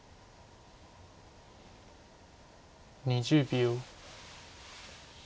２０秒。